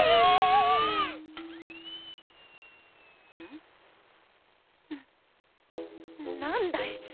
んなんだい